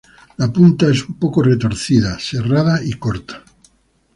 La punta es un poco retorcida, serrada y corta.